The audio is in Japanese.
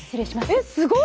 えっすごい。